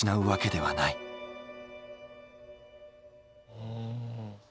うん。